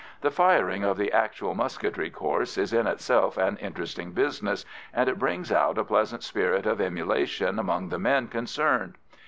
The firing of the actual musketry course is in itself an interesting business, and it brings out a pleasant spirit of emulation among the men concerned.